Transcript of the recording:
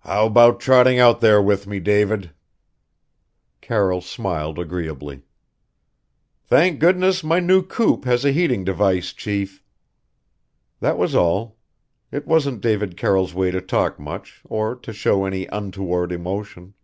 "How about trotting out there with me, David?" Carroll smiled agreeably. "Thank goodness my new coupé has a heating device, chief!" That was all. It wasn't David Carroll's way to talk much, or to show any untoward emotion.